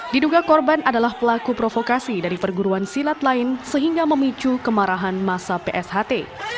diduga korban adalah pelaku provokasi dari perguruan silat lain sehingga memicu kemarahan masa psht